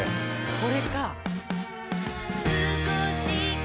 これか。